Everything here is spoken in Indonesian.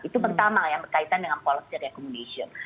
itu pertama yang berkaitan dengan policy recommendation